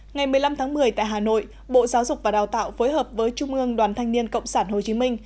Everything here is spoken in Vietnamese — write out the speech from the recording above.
ngày một mươi năm tháng một mươi tại hà nội bộ giáo dục và đào tạo phối hợp với trung ương đoàn thanh niên cộng sản hồ chí minh